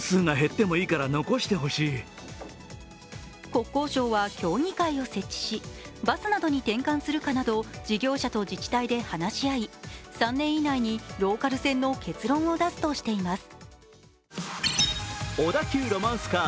国交省は協議会を設置し、バスなどに転換するかなど事業者と自治体で話し合い、３年以内にローカル線の結論を出すとしています。